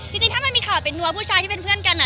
จริงถ้ามันมีข่าวเป็นนัวผู้ชายที่เป็นเพื่อนกัน